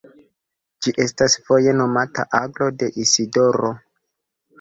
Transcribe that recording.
Ĝi estas foje nomata Aglo de Isidoro.